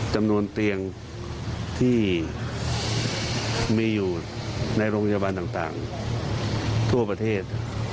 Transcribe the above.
จำนวนเตียงที่มีอยู่ในโรงพยาบาลต่างทั่วประเทศ